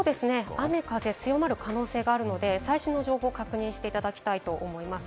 雨・風強まる可能性があるので、最新の情報を確認していただきたいと思います。